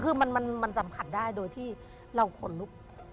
คือมันสัมผัสได้โดยที่เราขนลุก